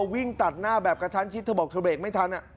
วิ่งตัดหน้าแบบกระชั้นชิดเธอบอกเธอเบรกไม่ทัน